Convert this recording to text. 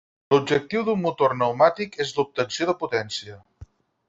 L'objectiu d'un motor pneumàtic és l'obtenció de potència.